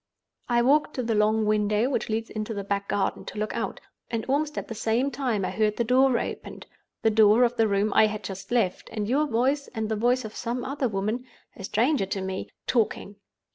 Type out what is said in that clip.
"I walked to the long window which leads into the back garden, to look out, and almost at the same time I heard the door opened—the door of the room I had just left, and your voice and the voice of some other woman, a stranger to me, talking.